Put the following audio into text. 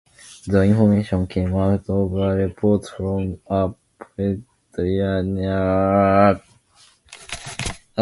The information came out of a report from a Pretoria-appointed commission of inquiry.